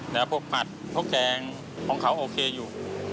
แล้วพวกผัดพวกแกงของเขาโอเคอยู่